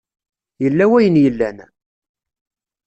Yella wayen yellan.